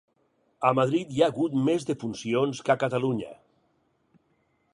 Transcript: A Madrid hi ha hagut més defuncions que a Catalunya.